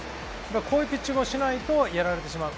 こういうピッチングをしないと、やられてしまう。